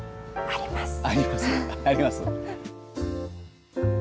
あります？